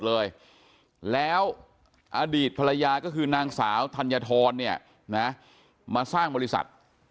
เลยแล้วอดีตภรรยาก็คือนางสาวธัญฑรเนี่ยนะมาสร้างบริษัท